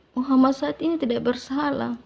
muhammad said ini tidak bersalah